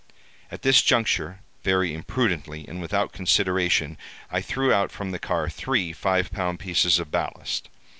At this juncture, very imprudently, and without consideration, I threw out from the car three five pound pieces of ballast.